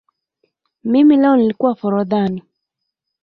Mimi leo nlikua forodhani